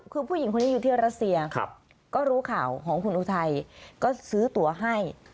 คือผู้หญิงคนนี้อยู่ที่รัสเซียก็รู้ข่าวของคุณอุทัยก็ซื้อตัวให้